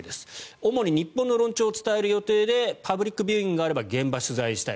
主に日本の論調を伝える予定でパブリックビューイングがあれば現場取材したい。